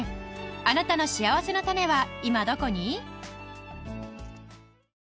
あなたのしあわせのたねは今どこに？